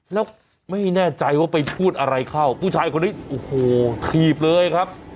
แล้วไม่แน่ใจว่าไปพูดอะไรเข้าผู้ชายคนนี้โอ้โหถีบเลยครับ